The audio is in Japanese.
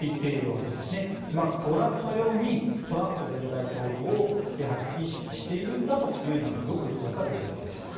ご覧のようにトランプ前大統領を意識しているということがよく分かる事例です。